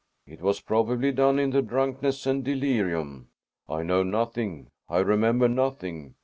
"It was probably done in the drunkenness and delirium." "I know nothing; I remember nothing.